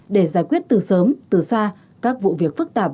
để giải quyết từ sớm từ xa các vụ việc phức tạp